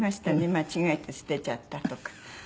間違えて捨てちゃったとか。